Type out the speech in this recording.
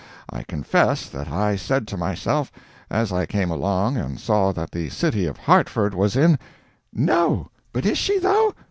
I confess that I said to myself, as I came along and saw that the City of Hartford was in—' "'No! but is she, though!'